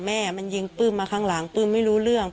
แม่มันยิงปื้มมาข้างหลังปื้มไม่รู้เรื่อง